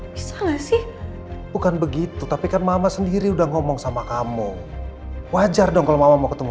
bisa nggak sih bukan begitu tapi kan mama sendiri udah ngomong sama kamu wajar dong kalau mama mau ketemu